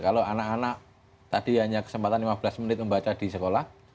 kalau anak anak tadi hanya kesempatan lima belas menit membaca di sekolah